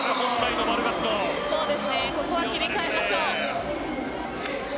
ここは切り替えましょう。